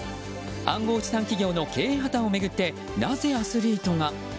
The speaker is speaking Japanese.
暗号資産企業の経営破綻を巡ってなぜアスリートが。